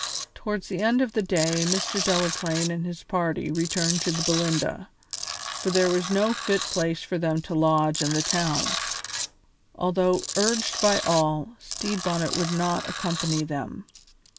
Towards the end of the day Mr. Delaplaine and his party returned to the Belinda, for there was no fit place for them to lodge in the town. Although urged by all, Stede Bonnet would not accompany them.